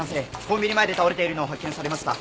コンビニ前で倒れているのを発見されました。